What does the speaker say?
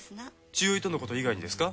千代栄とのこと以外にですか？